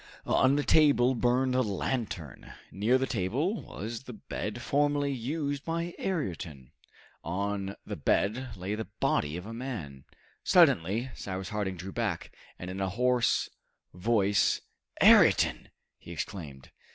On the table burned a lantern. Near the table was the bed formerly used by Ayrton. On the bed lay the body of a man. Suddenly Cyrus Harding drew back, and in a hoarse voice, "Ayrton!" he exclaimed.